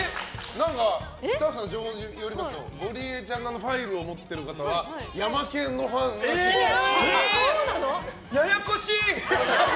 スタッフさんの情報によりますとゴリエちゃんのファイルを持っている方はややこしい！